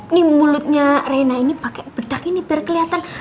nih mulutnya rena ini pakai bedak ini biar kelihatan